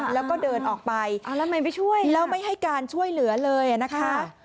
แล้วก็เดินออกไปแล้วไม่ให้การช่วยเหลือเลยนะคะ